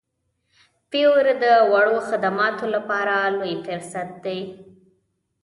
فیور د وړو خدماتو لپاره لوی فرصت دی.